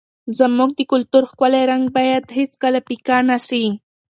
زموږ د کلتور ښکلی رنګ باید هېڅکله پیکه نه سي.